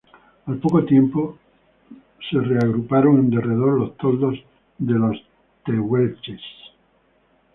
Al poco tiempo fueron agrupándose en derredor los toldos de los tehuelches.